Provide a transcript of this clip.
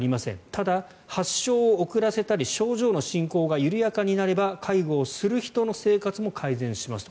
ただ、発症を遅らせたり症状の進行が緩やかになれば介護をする人の生活も改善しますと。